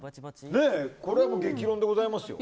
これは激論でございますよ。